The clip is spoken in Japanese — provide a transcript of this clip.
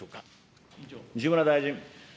西村大臣。